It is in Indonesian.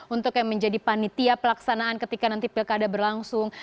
untuk yang menjadi panitia pelaksanaan ketika nanti pilkada berlangsung